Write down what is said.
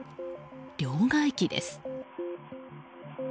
両替機です。